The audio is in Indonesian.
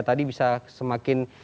tadi bisa semakin